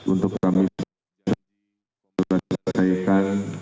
untuk kami selesaikan